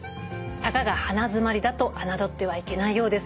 たかが鼻づまりだと侮ってはいけないようです。